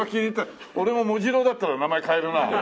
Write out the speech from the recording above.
俺も茂次郎だったら名前変えるな。